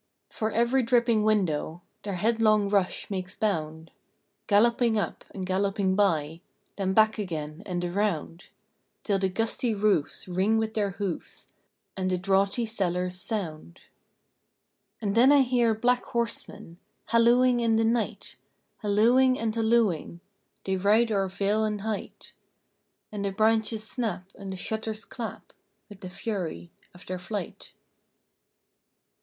For every dripping window Their headlong rush makes bound, Galloping up, and galloping by, Then back again and around, Till the gusty roofs ring with their hoofs, And the draughty cellars sound. And then I hear black horsemen Hallooing in the night; Hallooing and hallooing, They ride o'er vale and height, And the branches snap and the shutters clap With the fury of their flight.